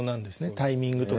タイミングとか。